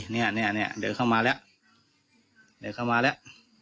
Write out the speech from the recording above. เนี่ยเดินเข้ามาแล้วเดินเข้ามาแล้ว